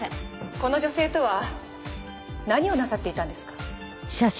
この女性とは何をなさっていたんですか？